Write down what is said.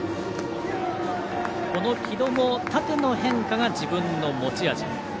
この城戸も縦の変化が自分の持ち味。